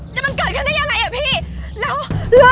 จนถึงวันนี้มาม้ามีเงิน๔ปี